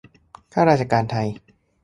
ข้าราชการไทย !